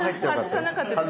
外さなかったですね。